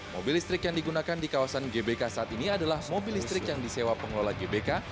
mobil listrik yang digunakan di kawasan gbk saat ini adalah mobil listrik yang disewa pengelola gbk